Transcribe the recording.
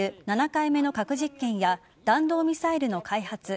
７回目の核実験や弾道ミサイルの開発